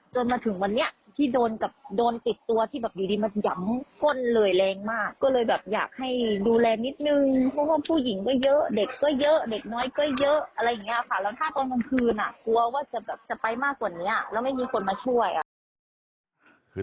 ตอนเมื่อที่กลางคืนกลัวว่าจะไปมากกว่านี้แล้วไม่มีคนมาช่วย